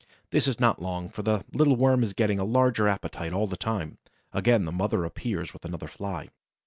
This is not long, for the little worm is getting a larger appetite all the time. Again the mother appears with another Fly.